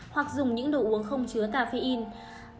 hoặc dùng những đồ uống không chứa caffeine